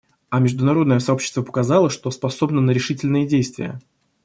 А международное сообщество показало, что способно на решительные действия.